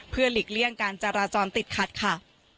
เพื่อหลีกเลี่ยงการจราจรติดขัดค่ะ